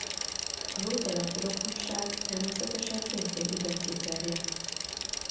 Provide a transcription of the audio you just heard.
Az oldalági rokonság természetesen szintén igen kiterjedt.